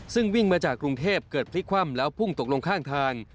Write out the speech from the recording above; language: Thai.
ซึ่งวิ่งมาจากกรุงเทพเกิดพลิกคว่ำแล้วพุ่งตกลงข้างทาง